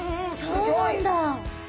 そうなんだ。